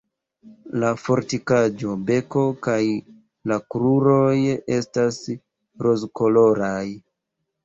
La fortika beko kaj la kruroj estas rozkoloraj.